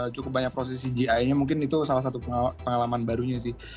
cukup banyak prosesi gi nya mungkin itu salah satu pengalaman barunya sih